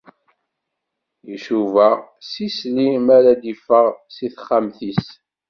Icuba s isli mi ara d-iffeɣ si texxamt-is.